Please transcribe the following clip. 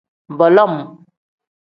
Bolom.